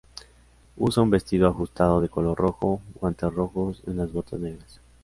Usa un vestido ajustado de color rojo, guantes rojos y unas botas negras.